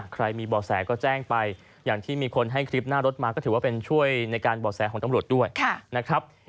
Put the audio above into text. ใครมีบ่อแสก็แจ้งไปอย่างที่มีคนให้คลิปหน้ารถมาก็ถือว่าเป็นช่วยในการบ่อแสของตำรวจด้วยนะครับ